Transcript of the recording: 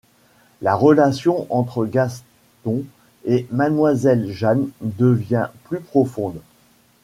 La relation entre Gaston et mademoiselle Jeanne devient plus profonde.